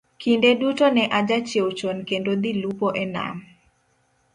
Kinde duto ne ajachiew chon kendo dhi lupo e Nam